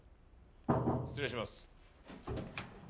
失礼します。